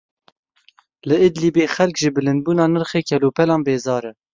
Li Idlibê xelk ji bilindbûna nirxê kelûpelan bêzar e.